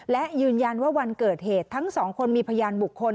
และยืนยันว่าวันเกิดเหตุทั้งสองคนมีพยานบุคคล